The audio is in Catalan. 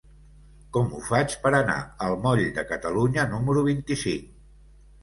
Com ho faig per anar al moll de Catalunya número vint-i-cinc?